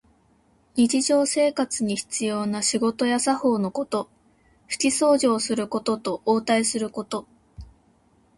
日常生活に必要な仕事や作法のこと。ふきそうじをすることと、応対すること。